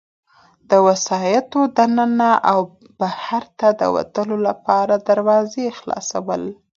د وسایطو د ننه او بهرته د وتلو لپاره دروازه خلاصول.